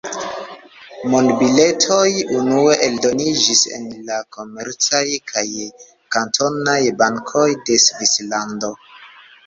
Monbiletoj unue eldoniĝis en la komercaj kaj kantonaj bankoj de Svislando.